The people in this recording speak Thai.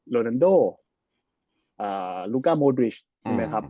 โรนานโดลูกาโมดริชมีไหมครับ